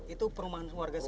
itu perumahan semua warga itu